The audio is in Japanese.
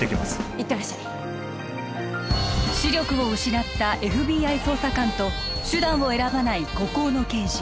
行ってらっしゃい視力を失ったＦＢＩ捜査官と手段を選ばない孤高の刑事